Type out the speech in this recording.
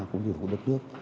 cũng như là của đất nước